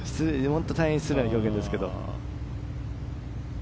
大変失礼な表現ですけど。